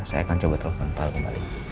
saya akan coba telepon pak kembali